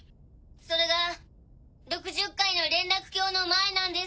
それが６０階の連絡橋の前なんです。